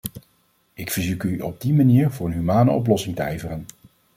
Ik verzoek u op die manier voor een humane oplossing te ijveren.